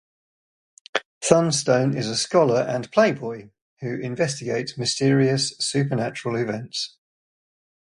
Thunstone is a scholar and playboy who investigates mysterious supernatural events.